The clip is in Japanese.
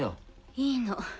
いいの。